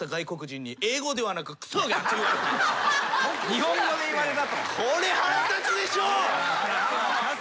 日本語で言われたってこと？